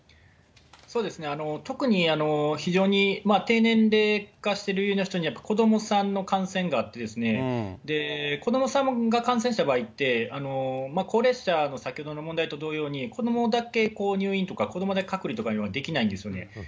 特に非常に低年齢化している、子どもさんの感染があってですね、子どもさんが感染した場合って、高齢者の先ほどの問題と同様に、子どもだけ入院とか子どもだけ隔離とかにはできないんですよね。